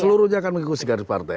seluruhnya akan mengikuti garis partai